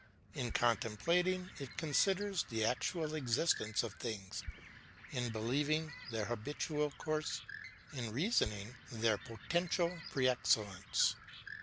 In contemplating, it considers the actual existence of things; in believing, their habitual course; in reasoning, their potential pre excellence.